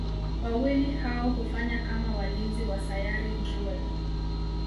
Wawili hao hufanya kama walinzi wa Sayari Drool.